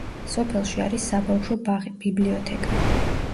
სოფელში არის საბავშვო ბაღი, ბიბლიოთეკა.